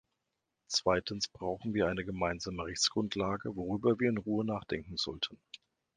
Zweitens brauchen wir eine gemeinsame Rechtsgrundlage, worüber wir in Ruhe nachdenken sollten.